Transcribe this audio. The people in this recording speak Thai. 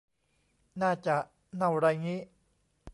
น่าจะ เน่าไรงี้